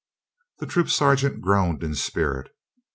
The troop sergeant groaned in spirit.